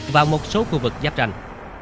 và một số khu vực giáp tranh